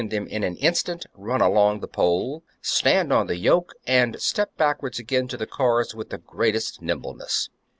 them in an instant, run along the pole, stand on the yoke, and step backwards again to the cars with the greatest nimbleness.